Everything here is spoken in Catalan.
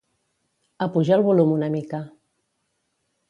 Apuja el volum una mica.